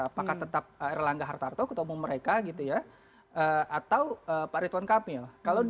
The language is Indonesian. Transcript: apakah tetap erlangga hartarto ketemu mereka gitu ya atau pak ridwan kamil